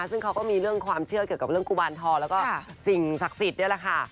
ซึ่งเขาก็มีเรื่องความเชื่อเกี่ยวกับเรื่องกุมารทองแล้วก็สิ่งศักดิ์สิทธิ์นี่แหละค่ะ